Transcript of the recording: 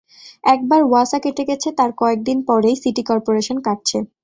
একবার ওয়াসা কেটে গেছে, তার কয়েক দিন পরেই সিটি করপোরেশন কাটছে।